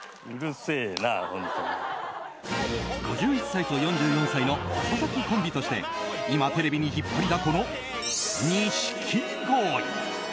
５１歳と４４歳の遅咲きコンビとして今、テレビに引っ張りだこの錦鯉。